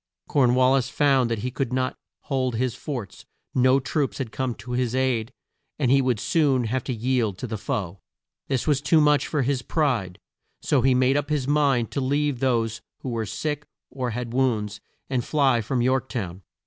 Corn wal lis found that he could not hold his forts; no troops had come to his aid, and he would soon have to yield to the foe. This was too much for his pride, so he made up his mind to leave those who were sick or had wounds, and fly from York town.